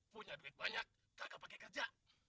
punya duit banyak kagak pake kerja